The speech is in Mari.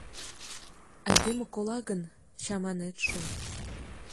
— Айдеме кола гын, чаманет шол.